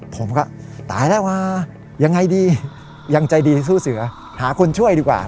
ผมก็ตายแล้ววะยังไงดียังใจดีสู้เสือหาคนช่วยดีกว่า